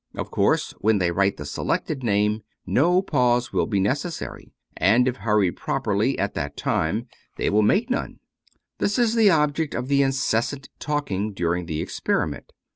Of course, when they write the selected name, no pause will be necessary ; and if hurried properly at that time they will make none. This is the object of the incessant talking during the experiment.